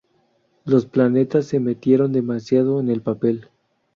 Los Planetas se metieron demasiado en el papel.